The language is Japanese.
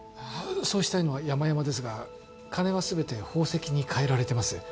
そうしたいのはやまやまですが金は全て宝石にかえられてます